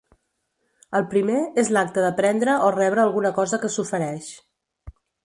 El primer, és l'acte de prendre o rebre alguna cosa que s'ofereix.